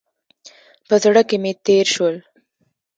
په زړه کې مې تېر شول.